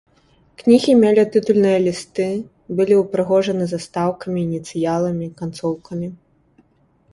Кнігі мелі тытульныя лісты, былі ўпрыгожаны застаўкамі, ініцыяламі, канцоўкамі.